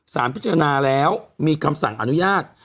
สารพิจารณาแล้วมีคำสั่งอนุญาต